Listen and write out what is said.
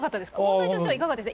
問題としてはいかがでした？